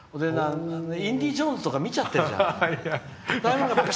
「インディ・ジョーンズ」とか見ちゃってるじゃん。